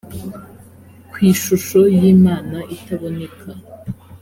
ku ishusho y imana itaboneka